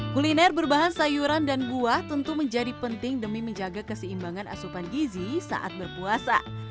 kuliner berbahan sayuran dan buah tentu menjadi penting demi menjaga keseimbangan asupan gizi saat berpuasa